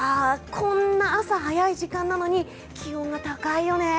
こんな朝早い時間なのに気温が高いよね。